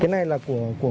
cái này là của mỹ à